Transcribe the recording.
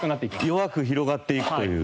弱く広がっていくという。